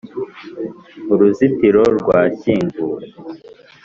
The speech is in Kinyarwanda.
uruzitiro rwashyinguwe